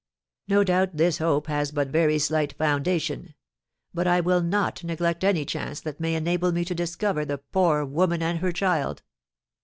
No doubt this hope has but very slight foundation; but I will not neglect any chance that may enable me to discover the poor woman and her child."